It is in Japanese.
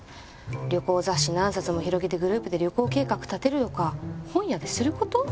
旅行雑誌何冊も広げてグループで旅行計画立てるとか本屋ですること？